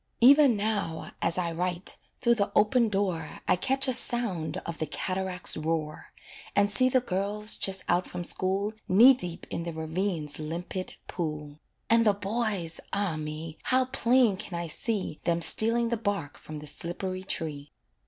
Even now, as I write, through the open door I catch a sound of the cataract's roar, And see the girls just out from school Knee deep in the ravine's limpid pool; And the boys, ah, me! how plain can I see Them stealing the bark from the slippery tree.